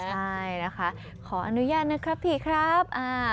ใช่นะคะขออนุญาตนะครับพี่ครับ